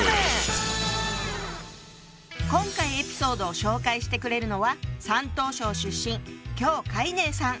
今回エピソードを紹介してくれるのは山東省出身姜海寧さん。